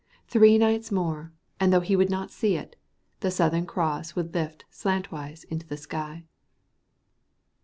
Three nights more, and though he would not see it, the Southern Cross would lift slantwise into the sky.